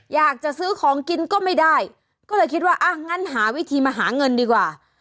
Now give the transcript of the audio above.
อยากจะซื้อของกินก็ไม่ได้ก็เลยคิดว่าอ่ะงั้นหาวิธีมาหาเงินดีกว่า